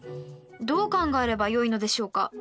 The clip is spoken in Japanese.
どう考えればよいのでしょうか？